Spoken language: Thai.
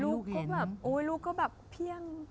เขาก็แบบโอ๊ยลูกก็แบบเพียง